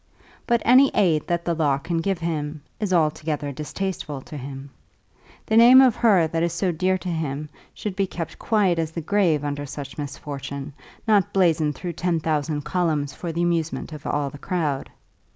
But any aid that the law can give him is altogether distasteful to him. The name of her that is so dear to him should be kept quiet as the grave under such misfortune, not blazoned through ten thousand columns for the amusement of all the crowd.